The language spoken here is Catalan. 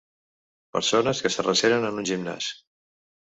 Persones que s'arreceren en un gimnàs